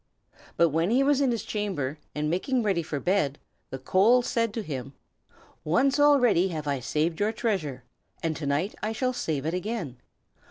But when he was in his chamber, and making ready for bed, the coal said to him: "Once already have I saved your treasure, and to night I shall save it again.